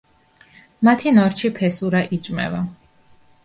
მათი ნორჩი ფესურა იჭმევა.